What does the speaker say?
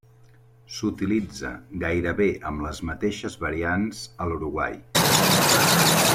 S'utilitza gairebé amb les mateixes variants a l'Uruguai.